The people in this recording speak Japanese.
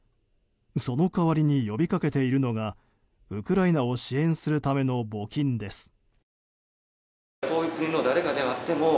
その代わりに呼びかけているのがウクライナを支援するための募金です。